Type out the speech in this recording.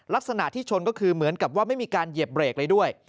ลักษณะที่ชนก็คือเหมือนกับว่าไม่มีการเหยียบเบรกอะไรด้วย